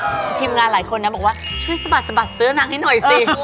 เพราะว่าทีมงานหลายคนนะบอกว่าช่วยสะบัดเสื้อนังให้หน่อยสิ